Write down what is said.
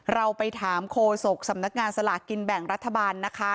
เราไปถามโคศกสำนักงานสลากกินแบ่งรัฐบาลนะคะ